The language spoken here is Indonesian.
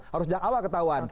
harus sejak awal ketahuan